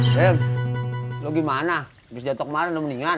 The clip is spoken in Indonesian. rem lu gimana abis jatuh kemaren lu mendingan